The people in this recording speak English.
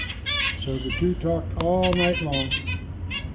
So the two talked all night long.